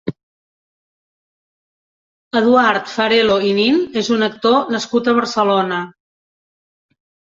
Eduard Farelo i Nin és un actor nascut a Barcelona.